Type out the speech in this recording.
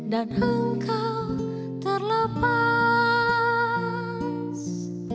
dan engkau terlepas